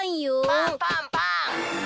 パンパンパン。